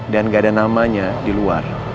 dan nggak ada namanya di luar